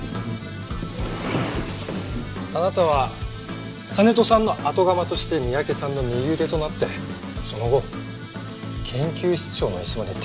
あなたは金戸さんの後釜として三宅さんの右腕となってその後研究室長の椅子まで手に入れちゃいましたもんね。